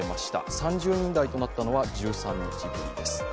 ３０人台となったのは１３日ぶりです。